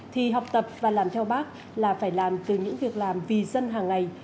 thì học tập và làm theo bác là phải làm từ những việc làm vì dân hàng ngày